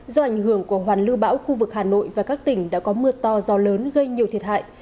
do ảnh hưởng của hoàn lưu bão khu vực hà nội và các tỉnh đã có mưa to gió lớn gây nhiều thiệt hại